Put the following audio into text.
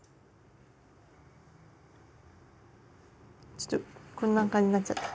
ちょっとこんな感じなっちゃった。